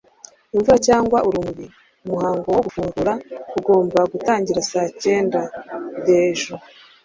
Imvura cyangwa urumuri, umuhango wo gufungura ugomba gutangira saa cyenda. (Dejo)